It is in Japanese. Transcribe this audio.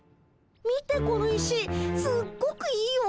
見てこの石すっごくいいよ。